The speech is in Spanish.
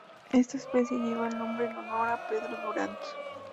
Esta especie lleva el nombre en honor a Pedro Durant.